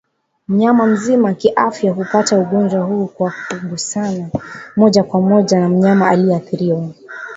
Mnyama mzima kiafya hupata ugonjwa huu kwa kugusana moja kwa moja na mnyama aliyeathiriwa